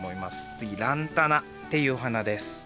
つぎランタナっていうお花です。